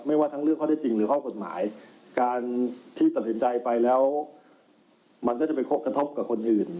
ว่าทั้งเรื่องข้อได้จริงหรือข้อกฎหมายการที่ตัดสินใจไปแล้วมันก็จะไปกระทบกับคนอื่น